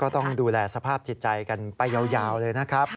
ต้องดูแลสภาพจิตใจกันไปยาวเลยนะครับ